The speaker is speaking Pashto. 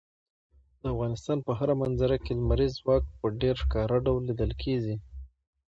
د افغانستان په هره منظره کې لمریز ځواک په ډېر ښکاره ډول لیدل کېږي.